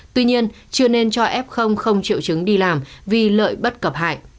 tuy nhiên chưa nên cho f không triệu chứng đi làm vì lợi bất cập hại